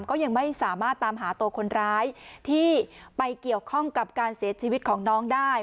ก็ยังไม่สามารถตามหาตัวคนร้ายที่ไปเกี่ยวข้องกับการเสียชีวิตของน้องได้